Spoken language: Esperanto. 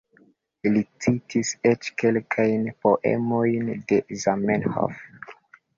Li citis eĉ kelkajn poemojn de Zamenhof.